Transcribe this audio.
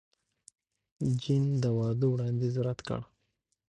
جین د واده وړاندیز رد کړ.